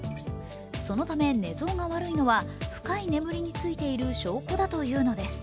そのため寝相が悪いのは深い眠りに就いている証拠だというのです。